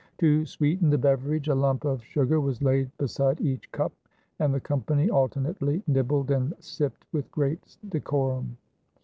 To sweeten the beverage a lump of sugar was laid beside each cup and the company alternately nibbled and sipped with great decorum.